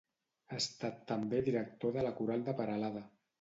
Ha estat també director de la Coral de Peralada.